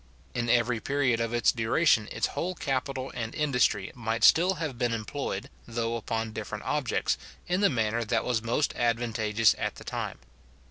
In every period of its duration its whole capital and industry might still have been employed, though upon different objects, in the manner that was most advantageous at the time.